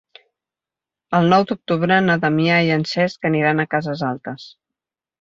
El nou d'octubre na Damià i en Cesc aniran a Cases Altes.